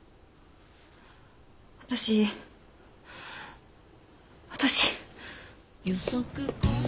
私私。